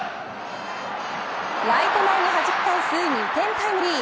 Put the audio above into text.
ライト前にはじき返す２点タイムリー。